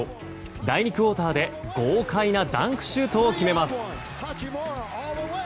第２クオーターで、豪快なダンクシュートを決めます。